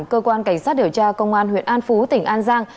cơ quan cảnh sát điều tra công an huyện an phú tỉnh an giang